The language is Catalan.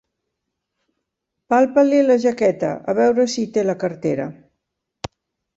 Palpa-li la jaqueta, a veure si hi té la cartera.